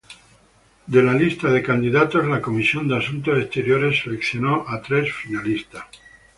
De la lista de candidatos, la comisión de Asuntos Exteriores selecciona a tres "finalistas".